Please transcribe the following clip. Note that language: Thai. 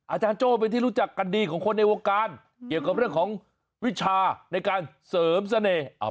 อาจารย์โจ้เป็นที่รู้จักกันดีของคนในวงการเกี่ยวกับเรื่องของวิชาในการเสริมเสน่ห์